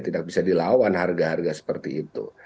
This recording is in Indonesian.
tidak bisa dilawan harga harga seperti itu